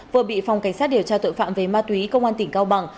vừa bị phòng cảnh sát điều tra tội phạm về ma túy công an tỉnh cao bằng